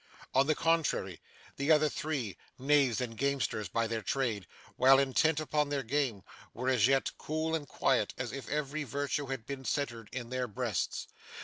On the contrary, the other three knaves and gamesters by their trade while intent upon their game, were yet as cool and quiet as if every virtue had been centered in their breasts.